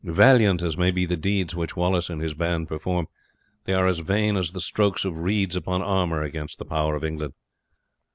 Valiant as may be the deeds which Wallace and his band perform, they are as vain as the strokes of reeds upon armour against the power of England."